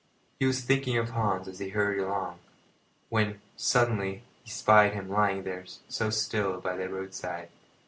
He was thinking of Hans as he hurried along when, suddenly, he spied him lying there so still by the roadside.